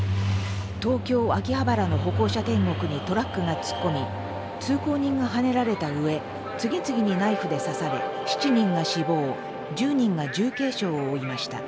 東京・秋葉原の歩行者天国にトラックが突っ込み通行人がはねられたうえ次々にナイフで刺され７人が死亡１０人が重軽傷を負いました。